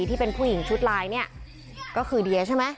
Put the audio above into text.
ที่เป็นผู้หญิงชุดลายเนี่ยก็คือเดียใช่ไหม